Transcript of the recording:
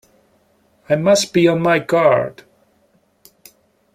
I must be on my guard!